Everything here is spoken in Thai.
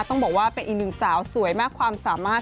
ต้องบอกว่าเป็นอีกหนึ่งสาวสวยมากความสามารถ